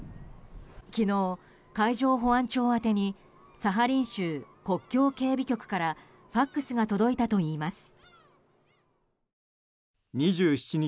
昨日、海上保安庁宛てにサハリン州国境警備局からＦＡＸが届いたといいます。